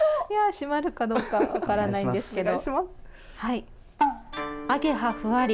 締まるかどうか分からないんですけれども。